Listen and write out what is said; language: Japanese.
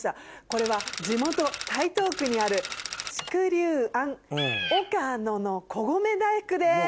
これは地元台東区にある竹隆庵岡埜のこごめ大福です。